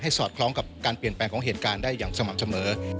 สอดคล้องกับการเปลี่ยนแปลงของเหตุการณ์ได้อย่างสม่ำเสมอ